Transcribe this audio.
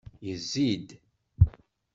Yezzi-d.